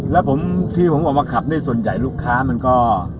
แล้วผมที่ผมออกมาขับนี่ส่วนใหญ่ลูกค้ามันก็